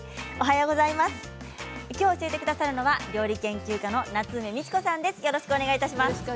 教えてくださるのは料理研究家の夏梅美智子さんです。